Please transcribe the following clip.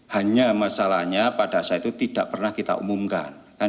hanya masalahnya pada saat itu tidak pernah kita umumkan